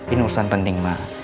ini urusan penting ma